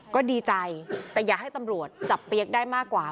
ก็ดีใจแต่อย่าให้ตำรวจจับเปี๊ยกได้มากกว่า